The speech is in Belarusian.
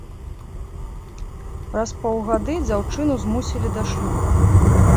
Праз паўгады дзяўчыну змусілі да шлюбу.